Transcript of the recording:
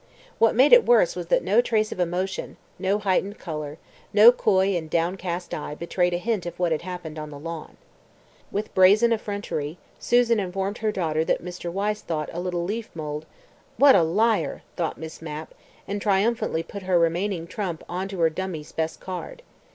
What made it worse was that no trace of emotion, no heightened colour, no coy and downcast eye betrayed a hint of what had happened on the lawn. With brazen effrontery Susan informed her daughter that Mr. Wyse thought a little leaf mould ... "What a liar!" thought Miss Mapp, and triumphantly put her remaining trump on to her dummy's best card.